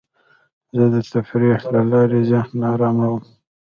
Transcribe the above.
زه د تفریح له لارې ذهن اراموم.